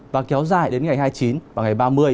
và kéo dài đến ngày hai mươi chín và ngày ba mươi